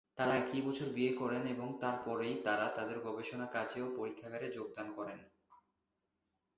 তারা একই বছর বিয়ে করেন এবং তার পরেই তাঁরা তাদের গবেষণা কাজে এবং পরীক্ষাগারে যোগদান করেন।